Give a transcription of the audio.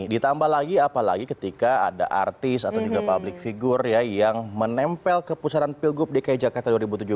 ditambah lagi apalagi ketika ada artis atau juga public figure yang menempel ke pusaran pilgub dki jakarta dua ribu tujuh belas